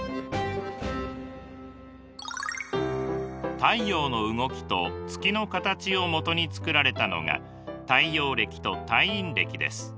太陽の動きと月の形を基に作られたのが太陽暦と太陰暦です。